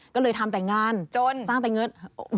ก็เลยทำแต่งานสร้างแต่เงิน